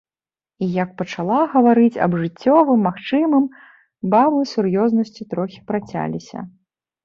І як пачала гаварыць аб жыццёвым, магчымым, бабы сур'ёзнасцю трохі працяліся.